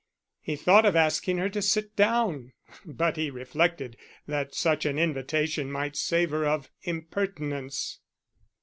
He thought of asking her to sit down, but he reflected that such an invitation might savour of impertinence.